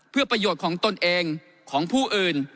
เพื่อประโยชน์ของตนเองของผู้อื่น